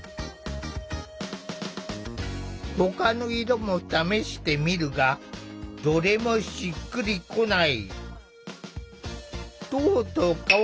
ほかの色も試してみるがどれもしっくりこない。